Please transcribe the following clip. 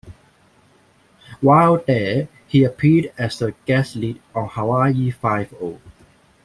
While there, he appeared as a guest lead on "Hawaii Five-O".